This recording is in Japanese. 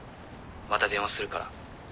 また電話するから。